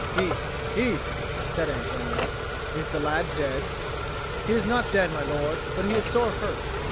"Peace, peace!" said Antonio. "Is the lad dead?" "He is not dead, my lord, but he is sore hurt."